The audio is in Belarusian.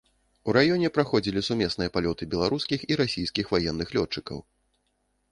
У раёне праходзілі сумесныя палёты беларускіх і расійскіх ваенных лётчыкаў.